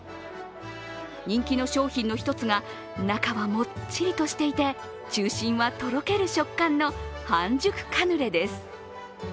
人気の商品の一つが、中はもっちりとしていて中心は、とろける食感の半熟カヌレです。